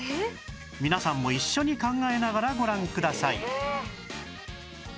皆さんも一緒に考えながらご覧ください